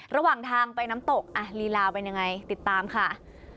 ระหว่างทางไปน้ำตกลีลาเป็นยังไงติดตามค่ะ